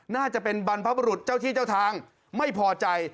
น่าจะเป็นบรรพบรุษเจ้าที่เจ้าทางไม่พอใจ